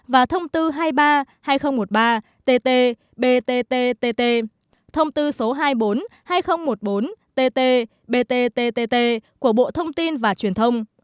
và thông tư hai mươi ba hai nghìn một mươi ba tt btttt thông tư số hai mươi bốn hai nghìn một mươi bốn tt bttt của bộ thông tin và truyền thông